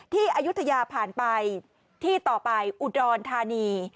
อายุทยาผ่านไปที่ต่อไปอุดรธานี